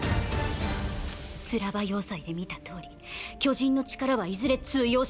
スラバ要塞で見たとおり巨人の力はいずれ通用しなくなる。